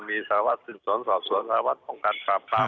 มีสารวัตรส่วนส่อส่วนสารวัตรของการตามระดับ